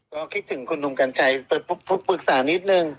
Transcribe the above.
ก็คิดถึงคุณหนุ่มกัญชัยปรึกษานิดนึง